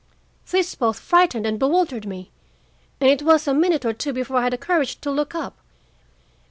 This both frightened and bewildered me, and it was a minute or two before I had the courage to look up.